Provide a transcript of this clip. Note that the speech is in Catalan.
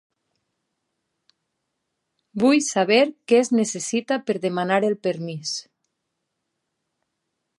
Vull saber què es necessita per demanar el permís.